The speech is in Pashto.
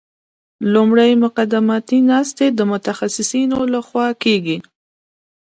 لومړی مقدماتي ناستې د متخصصینو لخوا کیږي